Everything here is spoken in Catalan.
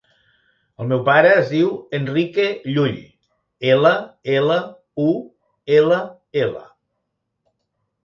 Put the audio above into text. El meu pare es diu Enrique Llull: ela, ela, u, ela, ela.